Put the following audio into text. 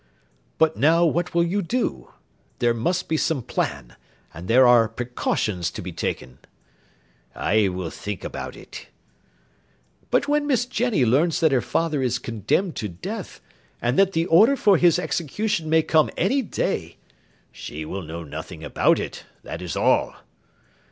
"But now what will you do? There must be some plan: and there are precautions to be taken." "I will think about it." "But when Miss Jenny learns that her father is condemned to death, and that the order for his execution may come any day " "She will know nothing about it, that is all."